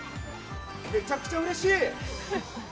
めちゃくちゃうれしい。